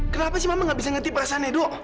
kenapa sih mama gak bisa ngerti perasaan edo